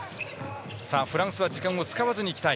フランスは時間を使わずにいきたい。